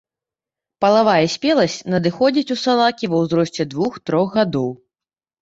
Палавая спеласць надыходзіць у салакі ва ўзросце двух-трох гадоў.